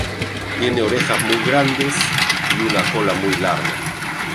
Tiene las orejas muy grandes y una cola larga.